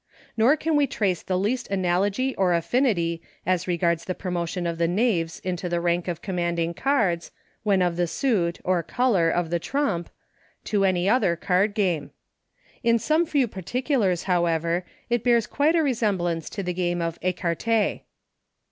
Nor can we trace the least analogy or affinity, as regards the promotion of the Knaves into the rank of commanding cards, when of the suit, or color, of the trump, to any other card game. In some few particulars, however, it bears quite a resemblance to the game of Ecarte.